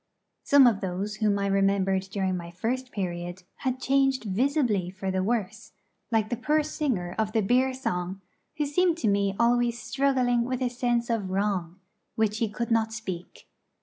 Some of those whom I remembered during my first period had changed visibly for the worse, like the poor singer of the beer song, who seemed to me always struggling with a sense of wrong, which he could not speak.